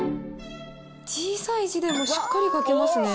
小さい字でもしっかり書けますね。